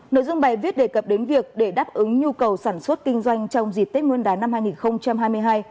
nội dung bài viết đề cập đến việc để đáp ứng nhu cầu sản xuất kinh doanh trong dịp tết nguyên đán năm hai nghìn hai mươi hai